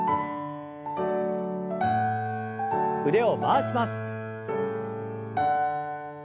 腕を回します。